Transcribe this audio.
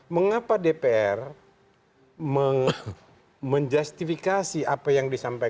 mengapa dpr menjustifikasi apa yang disampaikan